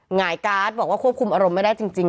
หงายการ์ดบอกว่าควบคุมอารมณ์ไม่ได้จริง